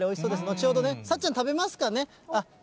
後ほどね、さっちゃん、食べますかね？